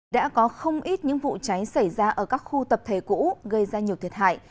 đã có không ít những vụ cháy xảy ra ở các khu tập thể cũ gây ra nhiều thiệt hại